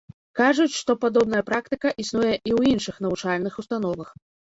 Кажуць, што падобная практыка існуе і ў іншых навучальных установах.